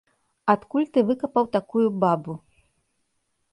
Адкуль ты выкапаў такую бабу?